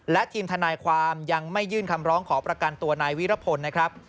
และทีมทนายความยังไม่ยื่นคำร้องขอประกันตัวนายวิรพลนะครับ